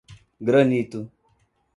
Granito